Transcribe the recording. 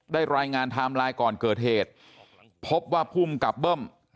ได้รายงานทามไลน์ก่อนเกิดเหตุพบว่าพุ่มกับเบิ้ม